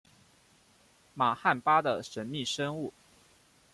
玛罕巴的神秘生物。